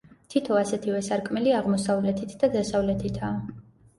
თითო ასეთივე სარკმელი აღმოსავლეთით და დასავლეთითაა.